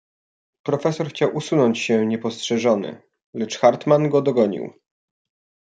"Profesor chciał usunąć się niepostrzeżony, lecz Hartmann go dogonił."